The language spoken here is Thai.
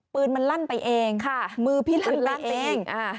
ปืนมันลั่นไปเองมือพี่ลั่นลั่นเอง